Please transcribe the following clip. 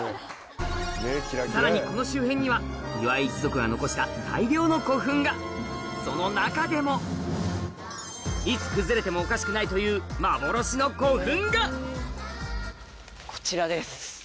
さらにこの周辺には磐井一族が残した大量の古墳がその中でもいつ崩れてもおかしくないという幻の古墳がこちらです？